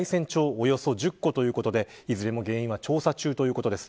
およそ１０戸ということでいずれも原因は調査中ということです。